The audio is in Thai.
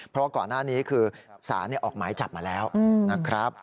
เพราะว่าก่อนหน้านี้คือสารออกหมายจับมาแล้วนะครับ